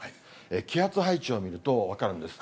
気圧配置を見ると分かるんです。